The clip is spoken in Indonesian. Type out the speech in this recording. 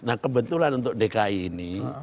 nah kebetulan untuk dki ini